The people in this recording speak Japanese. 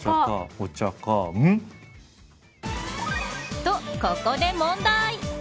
と、ここで問題。